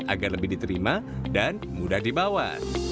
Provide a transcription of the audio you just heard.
agar lebih diterima dan mudah dibawa